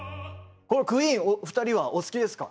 クイーンお二人はお好きですか？